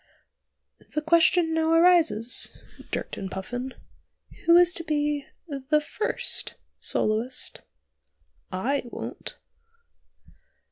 "The question now arises," jerked in Puffin, "who is to be the first soloist? I won't."